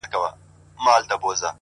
هوډ د ماتې احساس کمزوری کوي؛